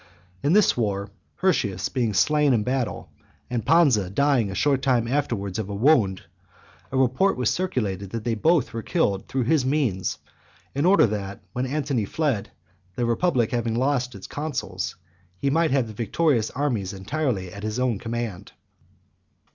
XI. In this war , Hirtius being slain in battle, and Pansa dying a short time afterwards of a wound, a report was circulated that they both were killed through his means, in order that, when Antony fled, the republic having lost its consuls, he might have the victorious armies entirely at his own command.